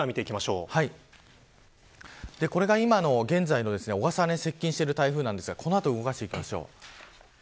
これが現在の小笠原に接近している台風ですがこの後動かしていきましょう。